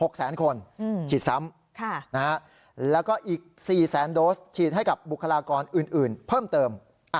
๖๐๐๐๐๐คนฉีดซ้ำและก็อีก๔๐๐๐๐๐โดสฉีดให้กับบุคลากรอื่นเพิ่มเติม